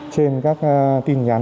trên các tin nhắn